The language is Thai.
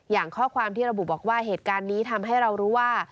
อย่างข้อความที่ระบุบอกว่าเหตุการณ์นี้ทำให้เรารู้ว่า